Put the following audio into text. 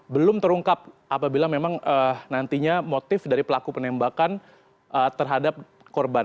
belum terungkap apabila memang nantinya motif dari pelaku penembakan terhadap korban